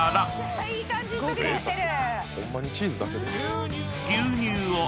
いい感じに溶けてきてる。